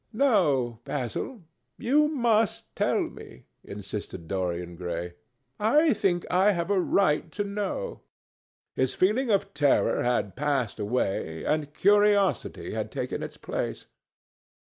"No, Basil, you must tell me," insisted Dorian Gray. "I think I have a right to know." His feeling of terror had passed away, and curiosity had taken its place.